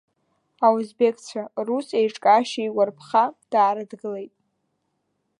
Аузбекцәа, рус еиҿкаашьа игәарԥха, даарыдгылеит.